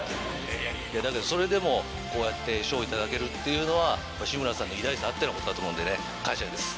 だけどそれでもこうやって賞を頂けるっていうのは志村さんの偉大さあってのことだと思うんでね感謝です